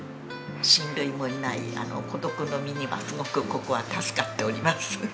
親類もいない孤独の身にはすごくここは助かっております。